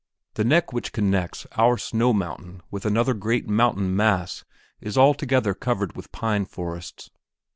The neck which connects our snow mountain with another great mountain mass is altogether covered with pine forests.